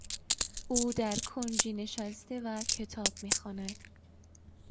او درکنجی نشسته و کتاب میخواند.